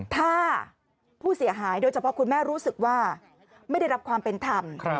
ถ้าผู้เสียหายโดยเฉพาะคุณแม่รู้สึกว่าไม่ได้รับความเป็นธรรม